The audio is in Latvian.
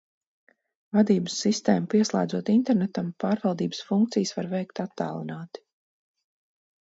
Vadības sistēmu pieslēdzot internetam, pārvaldības funkcijas var veikt attālināti.